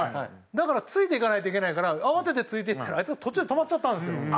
だからついていかないといけないから慌ててついていったらあいつが途中で止まっちゃったんですよ。